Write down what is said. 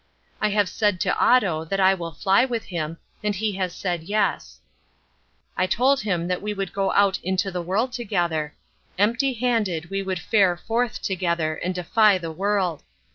I have said to Otto that I will fly with him, and he has said yes. I told him that we would go out into the world together; empty handed we would fare forth together and defy the world.